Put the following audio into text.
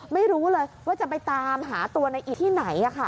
ไม่รู้เลยว่าจะไปตามหาตัวในอีที่ไหน